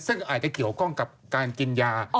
ซึ่งอาจจะเกี่ยวข้องกับการกินยา